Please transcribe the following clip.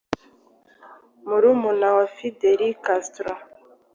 murumuna wa fidel castro